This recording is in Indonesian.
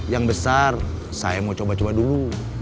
yang besar saya mau coba coba dulu